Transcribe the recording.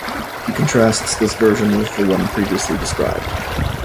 He contrasts this version with the one previously described.